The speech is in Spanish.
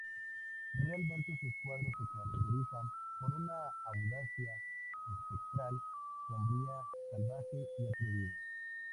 Realmente sus cuadros se caracterizan por una audacia espectral, sombría, salvaje y atrevido.